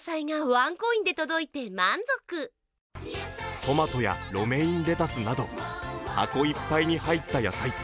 トマトやロメインレタスなど箱いっぱいに入った野菜。